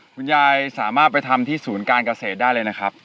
คุณยายสามารถไปทำที่ศูนย์การเกษตรได้เลยนะครับ